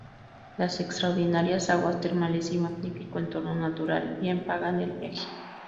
Las extraordinarias aguas termales y magnífico entorno natural bien pagan el viaje.